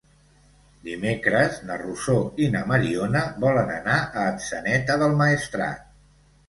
Dimecres na Rosó i na Mariona volen anar a Atzeneta del Maestrat.